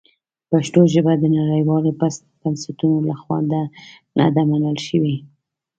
پښتو ژبه د نړیوالو بنسټونو لخوا نه ده منل شوې.